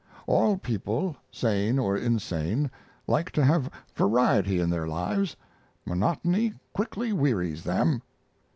All people, sane or insane, like to have variety in their lives. Monotony quickly wearies them.